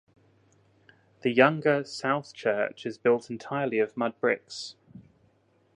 The younger South Church is built entirely of mud bricks.